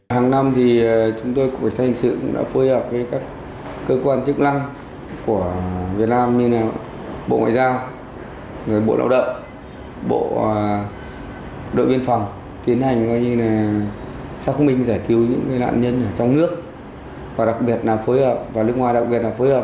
hàng năm thì chúng tôi của công an đã phối hợp với các cơ quan chức năng của việt nam như bộ ngoại giao bộ lão đợi bộ đội biên phòng tiến hành xác minh giải cứu những nạn nhân trong nước và đặc biệt là phối hợp với bộ công an trung quốc